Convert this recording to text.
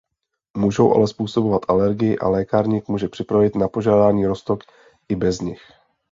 Můžou ale způsobovat alergie a lékárník může připravit na požádání roztok i bez nich.